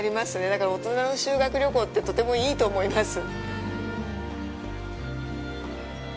だから、大人の修学旅行って、とてもいいと思います。